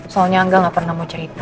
soalnya angga gak pernah mau cerita